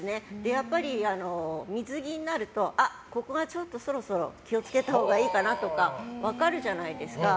やっぱり水着になるとここがそろそろ気を付けたほうがいいかなとか分かるじゃないですか。